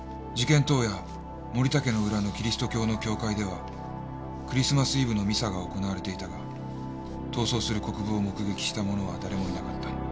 当夜森田家の裏のキリスト教の教会ではクリスマスイブのミサが行われていたが逃走する国府を目撃した者は誰もいなかった」